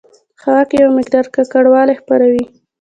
په هوا کې یو مقدار ککړوالی خپروي.